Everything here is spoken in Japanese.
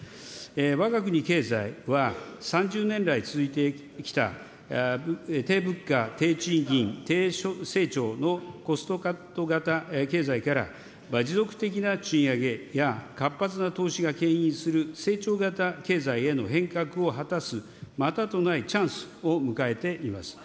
わが国経済は、３０年来続いてきた低物価・低賃金・低成長のコストカット型経済から、持続的な賃上げや、活発な投資がけん引する成長型経済への変革を果たす、またとないチャンスを迎えています。